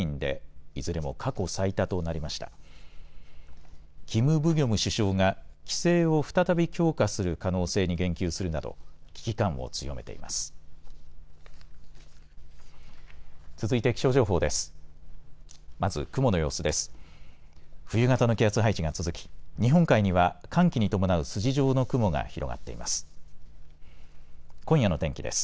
冬型の気圧配置が続き日本海には寒気に伴う筋状の雲が広がっています。